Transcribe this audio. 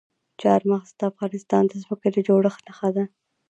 چار مغز د افغانستان د ځمکې د جوړښت نښه ده.